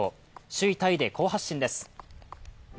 首位タイで好発進です。